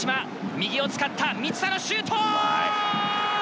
右を使った満田のシュート！